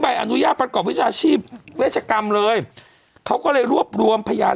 อนุญาตประกอบวิชาชีพเวชกรรมเลยเขาก็เลยรวบรวมพยาน